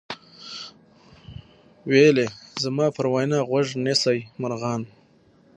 ویل زما پر وینا غوږ نیسۍ مرغانو